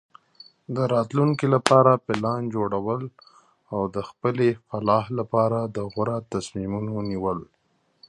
د راتلونکي لپاره پلان جوړول او د خپلې فلاح لپاره د غوره تصمیمونو نیول.